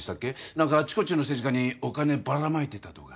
なんかあっちこっちの政治家にお金ばらまいてたとか。